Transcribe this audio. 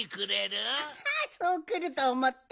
そうくるとおもった。